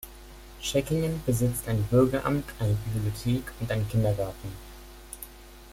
Schöckingen besitzt ein Bürgeramt, eine Bibliothek und einen Kindergarten.